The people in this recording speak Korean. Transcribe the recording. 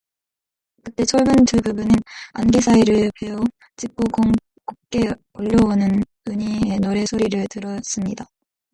그때 젊은 두 부부는 안개 사이를 베어 집고 곱게 울려오는 은희의 노래 소리를 들었습니다.